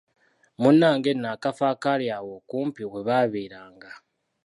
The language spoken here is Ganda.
Munnange nno akafo akaali awo okumpi webaaberanga.